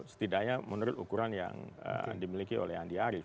setidaknya menurut ukuran yang dimiliki oleh andi arief